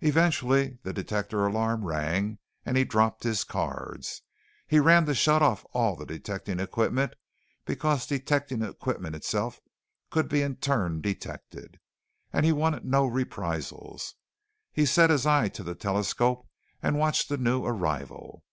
Eventually the detector alarm rang and he dropped his cards. He ran to shut off all of the detecting equipment because detecting equipment itself could be in turn detected and he wanted no reprisals. He set his eye to the telescope and watched the new arrival.